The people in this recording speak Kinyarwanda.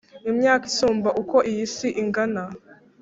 Imyaka isumba uko iyi si ingana